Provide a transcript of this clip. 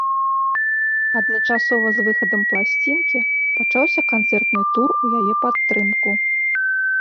Адначасова з выхадам пласцінкі пачаўся канцэртны тур у яе падтрымку.